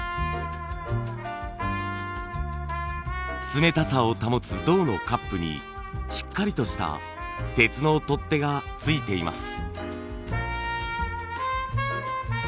冷たさを保つ銅のカップにしっかりとした鉄の取っ手がついています。